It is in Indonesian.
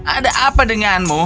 ada apa denganmu